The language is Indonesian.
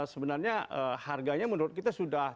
sebenarnya harganya menurut kita sudah